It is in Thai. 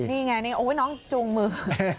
นี่ไงนี่โอ๊ยน้องจูงมือ